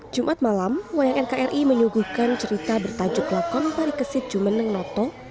jumat malam wayang nkri menyuguhkan cerita bertajuk lakon parikesit jumeneng noto